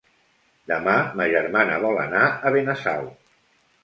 Demà ma germana vol anar a Benasau.